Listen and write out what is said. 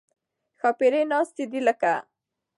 ښاپېرۍ ناستې دي لکه